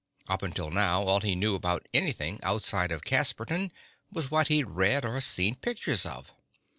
Up until now all he knew about anything outside of Casperton was what he'd read or seen pictures of.